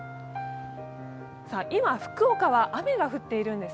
今、福岡は雨が降っているんです。